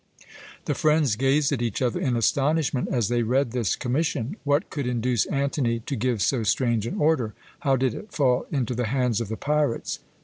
The friends gazed at each other in astonishment, as they read this commission. What could induce Antony to give so strange an order? How did it fall into the hands of the pirates?